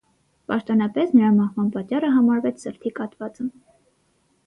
Պաշտոնապես նրա մահվան պատճառը համարվեց սրտի կաթվածը։